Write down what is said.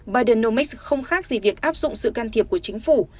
biden noix không khác gì việc áp dụng sự can thiệp của chính phủ